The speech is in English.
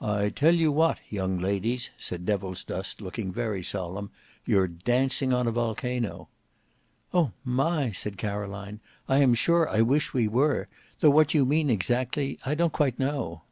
"I tell you what, young ladies," said Devilsdust, looking very solemn, "you're dancing on a volcano." "Oh! my," said Caroline. "I am sure I wish we were; though what you mean exactly I don't quite know."